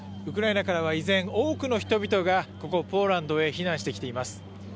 ウクライナからは依然多くの人々が、ここポーランドへ避難してきています。